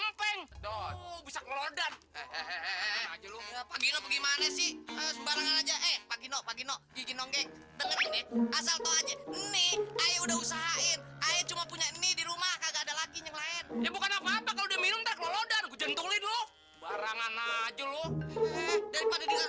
mpeng bisa ke lelodan eh eh eh eh eh eh eh eh eh eh eh eh eh eh eh eh eh eh eh eh eh eh